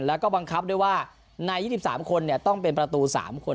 แล้วก็บังคับด้วยว่าใน๒๓คนต้องเป็นประตู๓คน